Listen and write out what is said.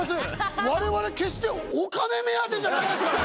われわれ、決してお金目当てじゃないですからね！